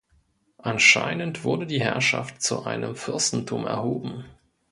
Anscheinend wurde die Herrschaft zu einem Fürstentum erhoben.